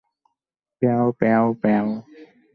প্যাও, প্যাও, প্যাও!